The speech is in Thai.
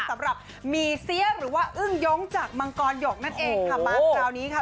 สำหรับหมี่เสียหรือว่าอึ้งย้งจากมังกรหยกนั่นเองค่ะมาคราวนี้ค่ะ